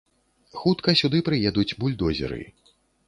Хутка сюды прыедуць бульдозеры.